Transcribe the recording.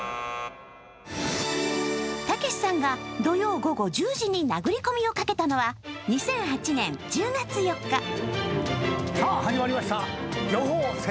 たけしさんが土曜午後１０時に殴り込みをかけたのは２００８年１０月４日。